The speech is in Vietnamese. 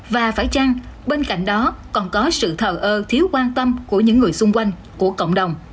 và phải chăng bên cạnh đó còn có sự thờ ơ thiếu quan tâm của những người xung quanh của cộng đồng